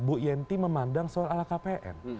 bu yenti memandang soal lhkpn